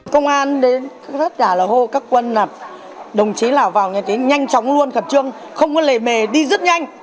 công an rất là hô các quân là đồng chí nào vào như thế nhanh chóng luôn khẩn trương không có lề mề đi rất nhanh